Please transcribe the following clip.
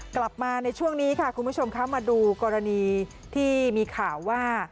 กลับมาในช่วงนี้ค่ะคุณผู้ชมคะมาดูกรณีที่มีข่าวว่า